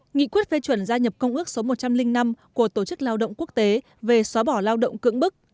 nghị quyết phê chuẩn gia nhập công ước số một trăm linh năm của tổ chức lao động quốc tế về xóa bỏ lao động cưỡng bức